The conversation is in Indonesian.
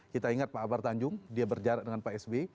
kita ingat pak bartanjung dia berjarak dengan pak s b